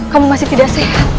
kamu masih tidak sehat